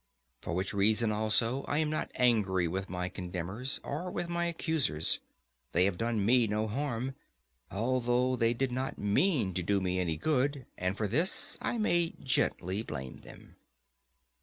For which reason, also, I am not angry with my condemners, or with my accusers; they have done me no harm, although they did not mean to do me any good; and for this I may gently blame them.